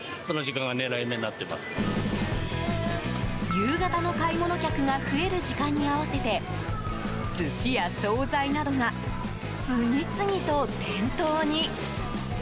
夕方の買い物客が増える時間に合わせて寿司や総菜などが次々と店頭に。